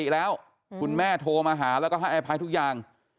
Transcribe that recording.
แล้วก็ค่อกับให้อภัยทุกอย่าง